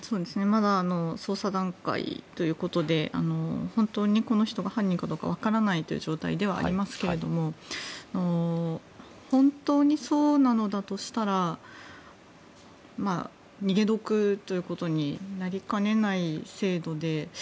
まだ捜査段階ということで本当にこの人が犯人かどうかわからないという状況ではありますが本当にそうなのだとしたら逃げ得ということになりかねない制度で。